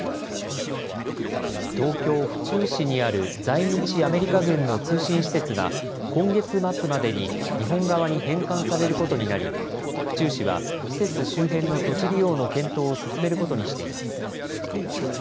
東京・府中市にある在日アメリカ軍の通信施設が、今月末までに日本側に返還されることになり、府中市は施設周辺の土地利用の検討を進めることにしています。